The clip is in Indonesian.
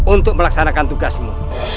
untuk melaksanakan tugasmu